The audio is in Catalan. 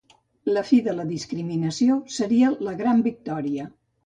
La fi de la discriminació seria la gran victòria.